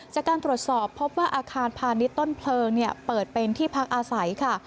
จากการตรวจสอบพบว่าอาคารพาณิชย์ต้นเพลิงเปิดเป็นที่พักอาศัยค่ะ